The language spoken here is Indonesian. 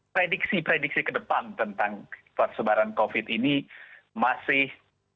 prediksi prediksi ke depan tentang persebaran covid ini masih